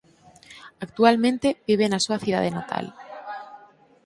Actualmente vive na súa cidade natal.